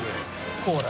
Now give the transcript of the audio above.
コーラ。